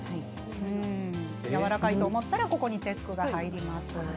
やわらかいと思ったらこちらにチェックが入ります。